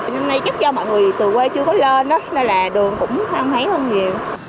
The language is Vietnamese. nên nay chắc do mọi người từ quê chưa có lên đó nên là đường cũng không thấy hơn nhiều